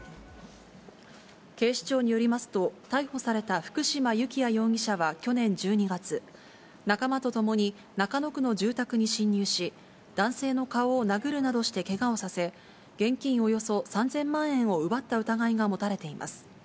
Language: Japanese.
警視庁によりますと、逮捕された福嶋幸也容疑者は去年１２月、仲間とともに中野区の住宅に侵入し、男性の顔を殴るなどしてけがをさせ、現金およそ３０００万円を奪った疑いが持たれています。